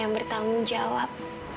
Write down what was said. yang bertanggung jawab